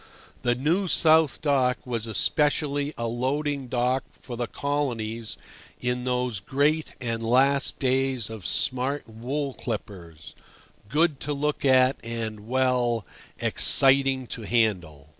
The New South Dock was especially a loading dock for the Colonies in those great (and last) days of smart wool clippers, good to look at and—well—exciting to handle.